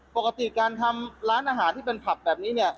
ปกติการทำร้านอาหารที่เป็นผลัพธ์แบบนี้